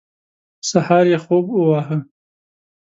سهار یې خوب وواهه.